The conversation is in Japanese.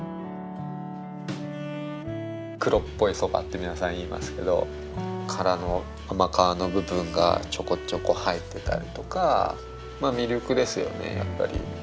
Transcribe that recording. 黒っぽい蕎麦って皆さん言いますけど殻の甘皮の部分がちょこちょこ入ってたりとか魅力ですよねやっぱり。